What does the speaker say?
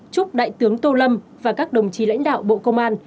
chúc đại tướng tô lâm và các đồng chí lãnh đạo bộ công an